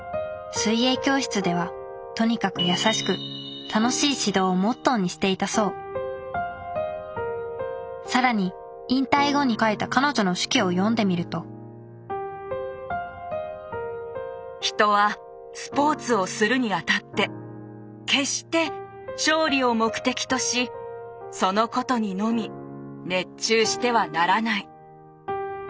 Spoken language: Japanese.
水泳教室ではとにかく優しく楽しい指導をモットーにしていたそう更に引退後に書いた彼女の手記を読んでみると「ひとはスポーツをするに当って決して勝利を目的としそのことにのみ熱中してはならない」。